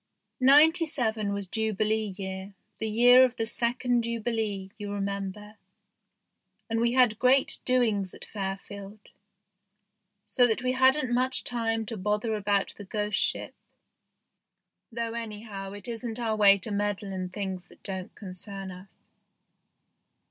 Ninety seven was Jubilee year, the year of the second Jubilee, you remember, and we had great doings at Fairfield, so that we hadn't much time to bother about the ghost ship, though anyhow it isn't our way to meddle in things that don't concern us.